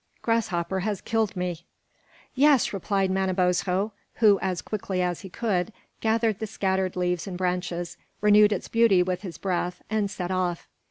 Grasshopper has killed me." "Yes," replied Manabozho, who, as quickly as he could, gathered the scattered leaves and branches, renewed its beauty with his breath, and set off.